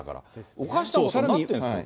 おかしなことになってるんですよ。